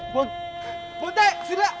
buang buang teh sudah